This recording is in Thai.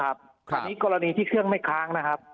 อันนี้กรณีที่เครื่องไม่ค้างนะครับ